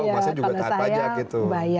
masa juga tahan pajak gitu